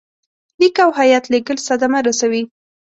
لیک او هیات لېږل صدمه رسوي.